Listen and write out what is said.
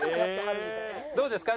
どうですか？